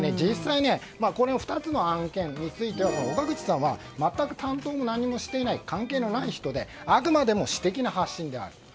実際、この２つの案件については岡口さんは全く担当もしていない関係のない人であくまでも私的な発信である。